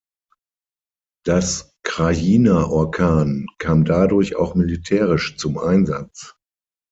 Das Krajina-Orkan kam dadurch auch militärisch zum Einsatz.